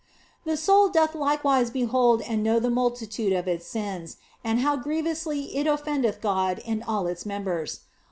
The soul doth likewise behold and know the multitude of its sins, and how grievously it offendeth God in all its members.